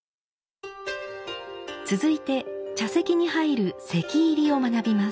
続いて茶室に入る「席入り」を学びます。